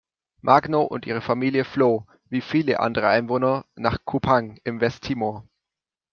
Magno und ihre Familie floh, wie viele andere Einwohner nach Kupang in Westtimor.